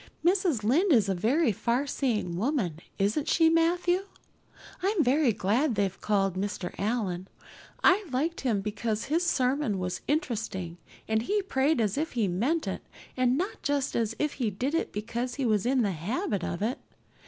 Mrs. Lynde is a very farseeing woman, isn't she, Matthew? I'm very glad they've called Mr. Allan. I liked him because his sermon was interesting and he prayed as if he meant it and not just as if he did it because he was in the habit of it.